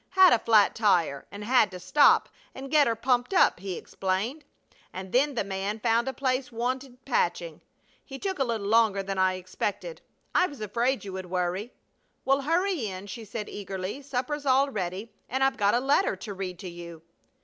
"Had a flat tire and had to stop, and get her pumped up," he explained, "and then the man found a place wanted patching. He took a little longer than I expected. I was afraid you would worry." "Well, hurry in," she said, eagerly. "Supper's all ready and I've got a letter to read to you."